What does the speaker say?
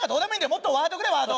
もっとワードくれワード！